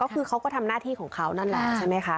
ก็คือเขาก็ทำหน้าที่ของเขานั่นแหละใช่ไหมคะ